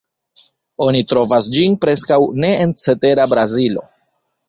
Oni trovas ĝin preskaŭ ne en cetera Brazilo.